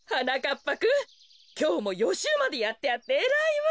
ぱくんきょうもよしゅうまでやってあってえらいわ。